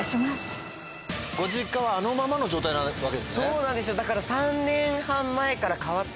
そうなんですよだから。